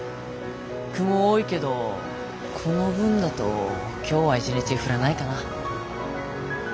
雲多いけどこの分だと今日は一日降らないかな。